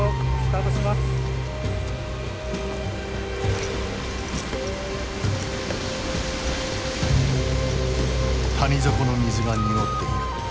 はい谷底の水が濁っている。